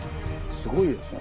すごいですね。